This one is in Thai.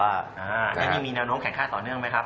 แล้วนี่มีแนวโน้มแข็งค่าต่อเนื่องไหมครับ